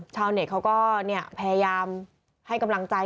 ชาวเน็ตเขาก็พยายามให้กำลังใจ